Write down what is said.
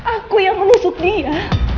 aku yang menusuk dia